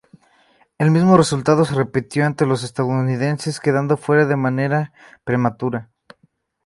El mismo resultado se repitió ante los estadounidenses, quedando fuera de manera prematura.